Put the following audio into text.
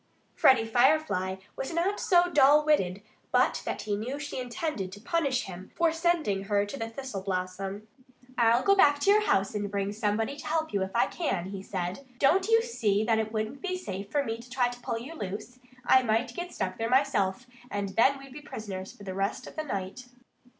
Freddie Firefly was not so dull witted but that he knew she intended to punish him for sending her to the thistle blossom. "I'll go back to your house and bring somebody to help you, if I can," he said. "Don't you see that it wouldn't be safe for me to try to pull you loose? I might get stuck there myself. And we'd be prisoners for the rest of the night."